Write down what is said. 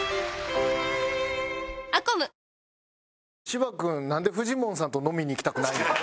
芝君なんでフジモンさんと飲みに行きたくないの？